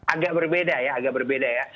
agak berbeda ya agak berbeda ya